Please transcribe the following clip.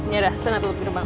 ya udah sana tutup geram